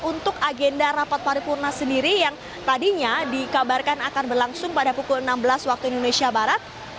untuk agenda rapat paripurna sendiri yang tadinya dikabarkan akan berlangsung pada pukul enam belas waktu indonesia barat